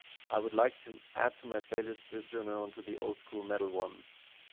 I would like to add to my plalist, Visjoner onto the old school metal one